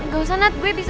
gak usah nat gue bisa